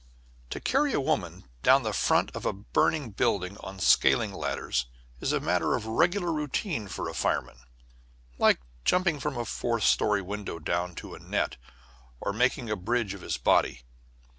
] To carry a woman down the front of a burning building on scaling ladders is a matter of regular routine for a fireman, like jumping from a fourth story down to a net, or making a bridge of his body.